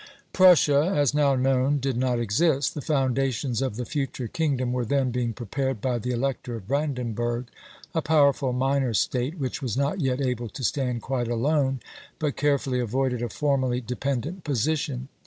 Prussia as now known did not exist. The foundations of the future kingdom were then being prepared by the Elector of Brandenburg, a powerful minor State, which was not yet able to stand quite alone, but carefully avoided a formally dependent position.